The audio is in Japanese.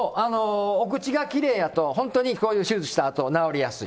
お口がきれいだと本当にこういう手術したあと、治りやすい。